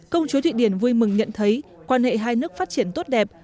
công chúa thụy điển vui mừng nhận thấy quan hệ hai nước phát triển tốt đẹp